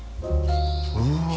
うわ！